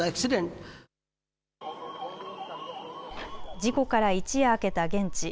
事故から一夜明けた現地。